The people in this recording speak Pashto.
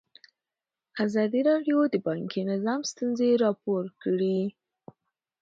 ازادي راډیو د بانکي نظام ستونزې راپور کړي.